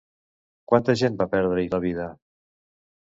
Quanta gent va perdre-hi la vida?